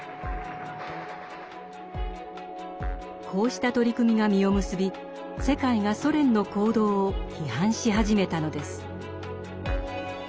こうした取り組みが実を結び世界がソ連の行動を批判し始めたのです。